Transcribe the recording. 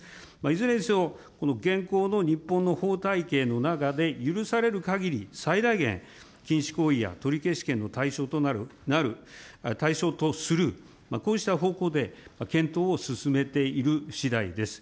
いずれにせよ、この現行の日本の法体系の中で許されるかぎり最大限、禁止行為や取消権の対象となる、対象とする、こうした方向で検討を進めているしだいです。